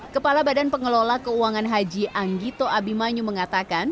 kepala badan pengelola keuangan haji anggito abimanyu mengatakan